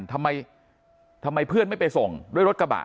ทำไมทำไมเพื่อนไม่ไปส่งด้วยรถกระบะ